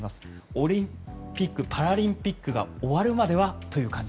オリンピック・パラリンピックが終わるまではという感じ。